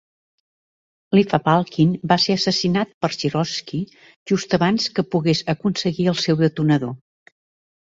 Lev Abalkin va ser assassinat per Sikorski just abans que pogués aconseguir el seu "detonador".